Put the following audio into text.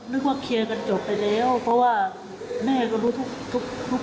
นึกว่าเคลียร์กันจบไปแล้วเพราะว่าแม่ก็รู้ทุกทุก